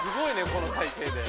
この体形で。